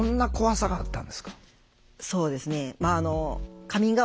そうですね。